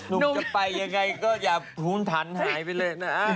จะไปยังไงก็อย่าหุนถันหายไปเลยนะ